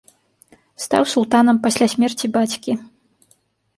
Стаў султанам пасля смерці бацькі.